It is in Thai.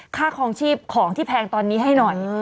ค่าคลองชีพของที่แพงตอนนี้ให้หน่อย